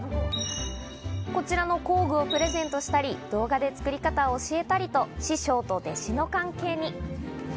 こちらの工具をプレゼントしたり、動画で作り方を教えたりと、師匠と弟子の関係に。